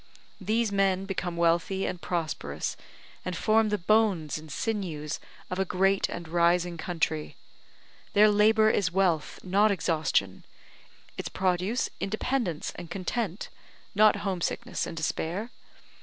These men become wealthy and prosperous, and form the bones and sinews of a great and rising country. Their labour is wealth, not exhaustion; its produce independence and content, not home sickness and despair.